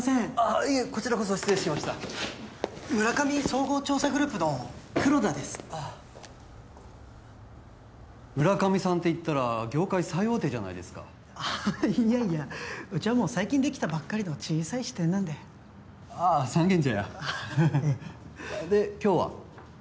ああいえこちらこそ失礼しましたムラカミ総合調査グループの黒田ですあっムラカミさんっていったら業界最大手じゃないですかいやいやうちはもう最近できたばっかりの小さい支店なんでああ三軒茶屋ええで今日は？